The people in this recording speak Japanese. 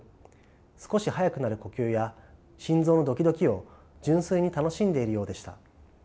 少し速くなる呼吸や心臓のドキドキを純粋に楽しんでいるようでした。